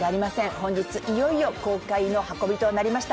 本日、いよいよ公開の運びとなりました。